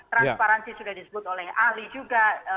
transparansi sudah disebut oleh ahli juga